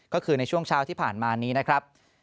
ก็คือในช่วงเช้าที่ผ่านมานี้นะครับ